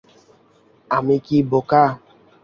আমি কি বোকা?